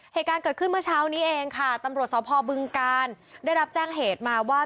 เหตุการณ์เกิดขึ้นเมื่อเช้านี้เองค่ะตำรวจสพบึงกาลได้รับแจ้งเหตุมาว่า